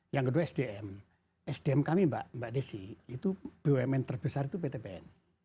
yang kedua sdm sdm kami mbak desi itu bumn terbesar itu pt pn